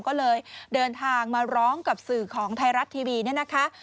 ก็เลยเดินทางมาร้องกับสื่อของไทยรัฐทีวีเนี่ยนะคะ